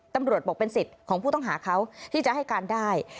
ตำรวจบอกเป็นสิทธิ์ของผู้ต้องหาเขาที่จะให้การได้